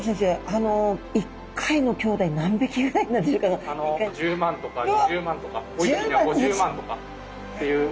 あの一回のきょうだい何匹ぐらいなんでしょうか？